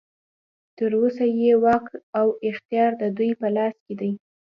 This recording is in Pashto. تر اوسه یې واک او اختیار ددوی په لاس کې دی.